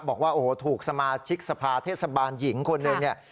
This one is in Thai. บอกว่าโอ้โหถูกสมาชิกสภาเทศบาลหญิงคนหนึ่งเนี่ย